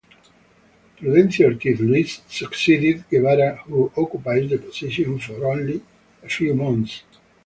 Prudencio Ortiz Luis succeeded Guevarra who occupies the position for only a few months.